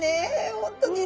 本当に！